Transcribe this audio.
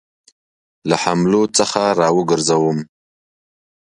له حملو څخه را وګرځوم.